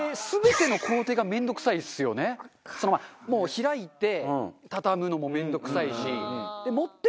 開いて畳むのも面倒くさいし。